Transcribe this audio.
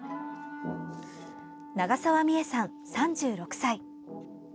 長澤美絵さん、３６歳。